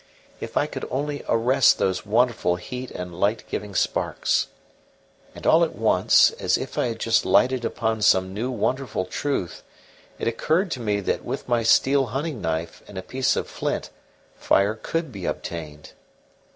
If I could only arrest those wonderful heat and light giving sparks! And all at once, as if I had just lighted upon some new, wonderful truth, it occurred to me that with my steel hunting knife and a piece of flint fire could be obtained.